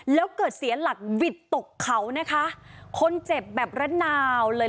แล้วเกิดเสียหลักวิดตกเขานะคะคนเจ็บแบบระนาวเลย